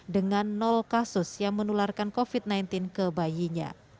dengan kasus yang menularkan covid sembilan belas ke bayinya